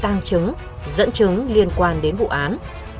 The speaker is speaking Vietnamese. tăng chứng dẫn chứng liên quan đến vụ án